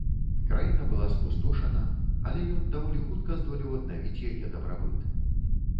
Краіна была спустошана, але ён даволі хутка здолеў аднавіць яе дабрабыт.